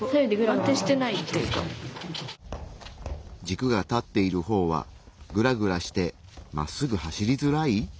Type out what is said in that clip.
軸が立っている方はグラグラしてまっすぐ走りづらい？